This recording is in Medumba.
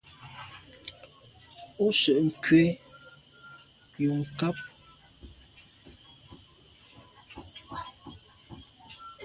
Ú sə̂’ nkwé yu nkàb.